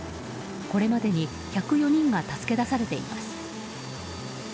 これまでに１０４人が助け出されています。